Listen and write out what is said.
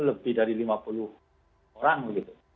lebih dari lima puluh orang begitu